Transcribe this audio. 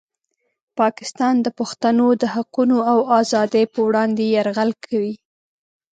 پاکستان د پښتنو د حقونو او ازادۍ په وړاندې یرغل کوي.